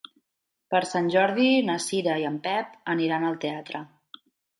Per Sant Jordi na Cira i en Pep aniran al teatre.